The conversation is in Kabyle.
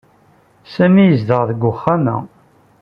Sami yezdeɣ deg uxxam-a.